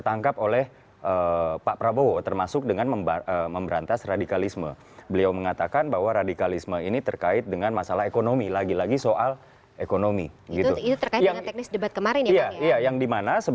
yang kedua ini saya ketinggian